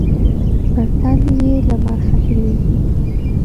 پر تندې یې لمر ختلي